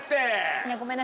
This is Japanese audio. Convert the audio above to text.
いやごめんなさい。